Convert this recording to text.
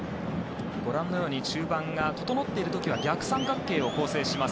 中盤が整っている時は逆三角形を構成します